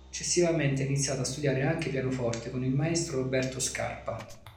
Successivamente ha iniziato a studiare anche pianoforte con il maestro Roberto Scarpa.